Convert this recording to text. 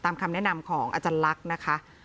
คำแนะนำของอาจารย์ลักษณ์นะคะ